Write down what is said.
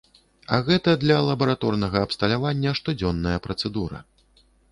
А гэта для лабараторнага абсталявання штодзённая працэдура.